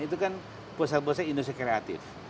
itu kan pusat pusat industri kreatif